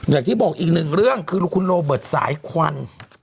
อย่างที่บอกอีกหนึ่งเรื่องคือคุณโรเบิร์ตสายควัน